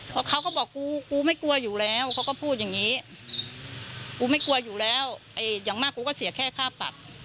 เพราะเขาก็บอกกูกูไม่กลัวอยู่แล้วเขาก็พูดอย่างนี้กูไม่กลัวอยู่แล้วอย่างมากกูก็เสียแค่ค่าปรับ